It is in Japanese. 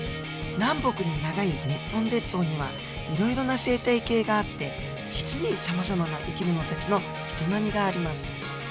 南北に長い日本列島にはいろいろな生態系があって実にさまざまな生き物たちの営みがあります。